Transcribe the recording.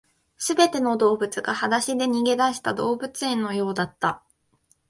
全ての動物が裸足で逃げ出した動物園のようだった